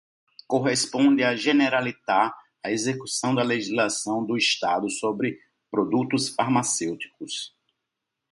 Corresponde à Generalitat a execução da legislação do Estado sobre produtos farmacêuticos.